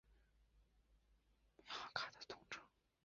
牡丹卡是由中国工商银行发行的银行卡的统称。